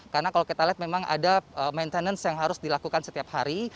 karena kalau kita lihat memang ada maintenance yang harus dilakukan setiap hari